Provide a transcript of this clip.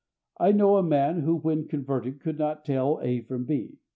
I know a man, who, when converted, could not tell A from B.